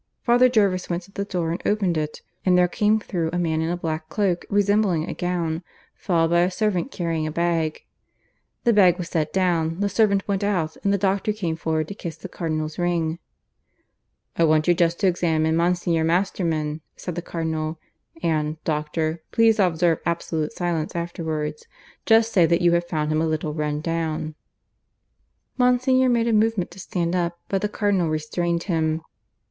Father Jervis went to the door and opened it, and there came through a man in a black cloak, resembling a gown, followed by a servant carrying a bag. The bag was set down, the servant went out, and the doctor came forward to kiss the Cardinal's ring. "I want you just to examine Monsignor Masterman," said the Cardinal. "And, doctor, please observe absolute silence afterwards. Just say that you have found him a little run down." Monsignor made a movement to stand up, but the Cardinal restrained him.